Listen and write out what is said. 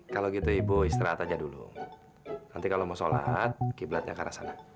kalau gitu ibu istirahat aja dulu nanti kalau mau sholat kiblatnya ke arah sana